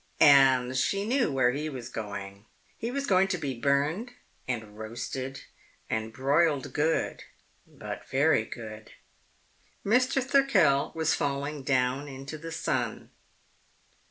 And she knew where he was going. He was going to be burned and roasted and broiled good, but very good. Mr. Thirkell was falling down into the Sun.